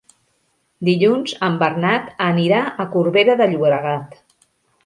Dilluns en Bernat anirà a Corbera de Llobregat.